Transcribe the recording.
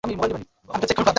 এই পিস্তল কোত্থেকে আসলো?